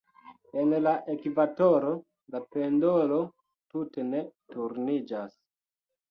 En la ekvatoro, la pendolo tute ne turniĝas.